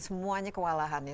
semuanya kewalahan ya